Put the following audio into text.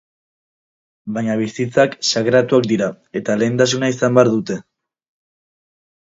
Baina bizitzak sakratuak dira eta lehentasuna izan behar dute.